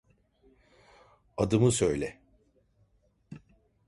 Adımı söyle!